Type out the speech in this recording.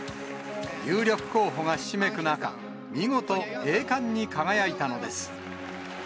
有力候補がひしめく中、見事、栄冠に輝いたのです。